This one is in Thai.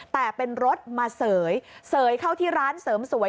แต่เป็นรถมาเสยเสยเข้าที่ร้านเสริมสวย